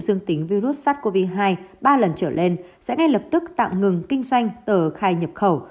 dương tính virus sars cov hai ba lần trở lên sẽ ngay lập tức tạm ngừng kinh doanh ở khai nhập khẩu